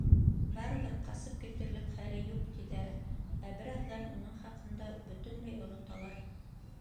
Барыбер ҡасып китерлек хәле юҡ, тиҙәр, ә бер аҙҙан уның хаҡында бөтөнләй оноталар.